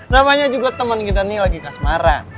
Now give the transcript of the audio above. namanya juga temen kita nih lagi kas maran